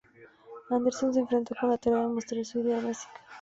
Anderson se enfrentó con la tarea de mostrar su idea básica.